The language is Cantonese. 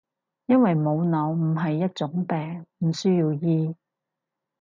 因為冇腦唔係一種病，唔需要醫